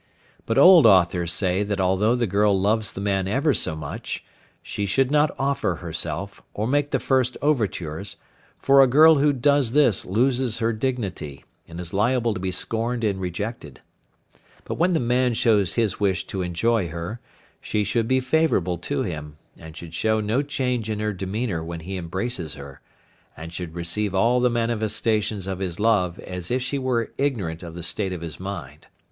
But old authors say that although the girl loves the man ever so much, she should not offer herself, or make the first overtures, for a girl who does this loses her dignity, and is liable to be scorned and rejected. But when the man shows his wish to enjoy her, she should be favourable to him and should show no change in her demeanour when he embraces her, and should receive all the manifestations of his love as if she were ignorant of the state of his mind.